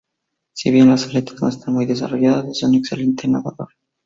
Si bien las aletas no están muy desarrolladas, es un excelente nadador.